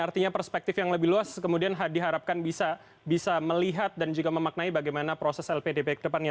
artinya perspektif yang lebih luas kemudian diharapkan bisa melihat dan juga memaknai bagaimana proses lpdp kedepannya